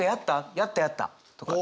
「やったやった」とか。